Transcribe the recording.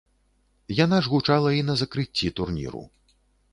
Яна ж гучала і на закрыцці турніру.